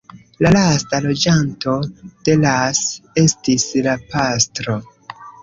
La lasta loĝanto de Las estis la pastro.